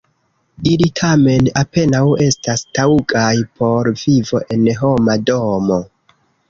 Ili, tamen, apenaŭ estas taŭgaj por vivo en homa domo.